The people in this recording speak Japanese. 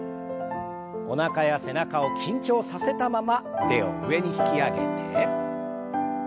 おなかや背中を緊張させたまま腕を上に引き上げて。